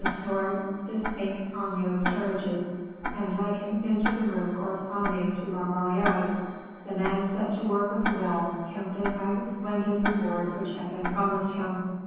de Saint Aignan's carriages, and led him into the room corresponding to La Valliere's. The man set to work with a will, tempted by the splendid reward which had been promised him.